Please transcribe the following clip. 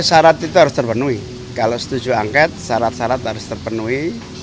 syarat itu harus terpenuhi kalau setuju angket syarat syarat harus terpenuhi